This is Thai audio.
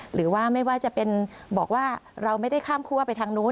หรือว่าไม่ว่าจะเป็นบอกว่าเราไม่ได้ข้ามคั่วไปทางนู้น